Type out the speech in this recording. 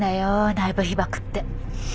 内部被ばくって。